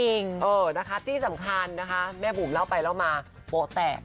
เออนะคะที่สำคัญนะคะแม่บุ๋มเล่าไปเล่ามาโป๊แตก